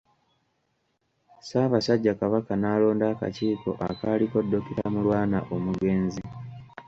Ssaabasajja Kabaka n’alonda akakiiko akaaliko Dokita Mulwana omugenzi.